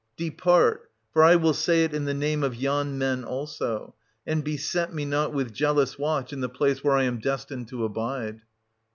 Depart — for I will say it in the name of yon men also !— and beset me not with jealous watch in the place where I am destined to abide.